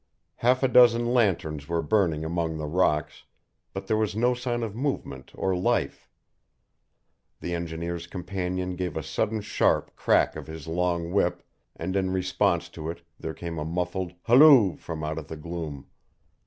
Half a dozen lanterns were burning among the rocks, but there was no sign of movement or life. The engineer's companion gave a sudden sharp crack of his long whip and in response to it there came a muffled halloo from out of the gloom.